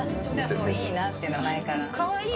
もういいなっていうのは前から？